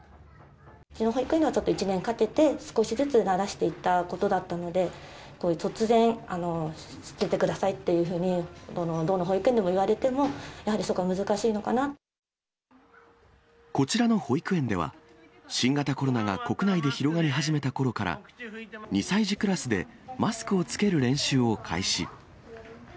うちの保育園では、１年かけて少しずつ慣らしていったことだったので、突然、着けてくださいっていうふうに、どの保育園でも言われても、やはりそここちらの保育園では、新型コロナが国内で広がり始めたころから、２歳児クラスでマスクを着ける練習を開始。